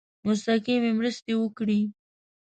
مستقیمي مرستي وکړي.